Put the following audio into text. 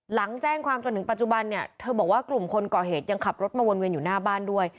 หลังแจ้งความจนถึงปัจจุบันเนี่ยเธอบอกว่ากลุ่มคนก่อเหตุยังขับรถมาวนเวียนอยู่หน้าบ้านด้วย